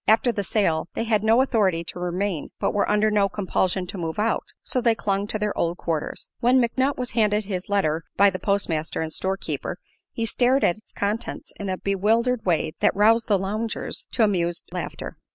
After the sale they had no authority to remain but were under no compulsion to move out, so they clung to their old quarters. When McNutt was handed his letter by the postmaster and storekeeper he stared at its contents in a bewildered way that roused the loungers to amused laughter.